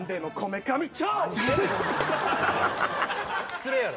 失礼やろ。